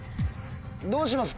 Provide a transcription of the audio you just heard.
どうします？